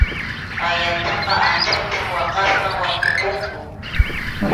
Ayataqa anchata waqaspam wantupunku.